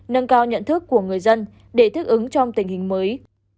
nâng cao nhận thức của người dân để thích ứng trong tình hình mới